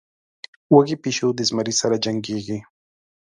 وږى پيشو د زمري سره جنکېږي.